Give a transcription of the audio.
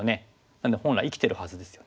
なので本来生きてるはずですよね。